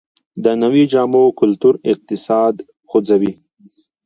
د نویو جامو کلتور اقتصاد خوځوي